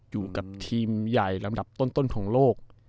อยู่กับทีมใหญ่ลำดับต้นของโลก